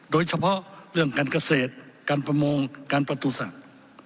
โดยเฉพาะเรื่องการเกษตรการประมงการประตูสัตว์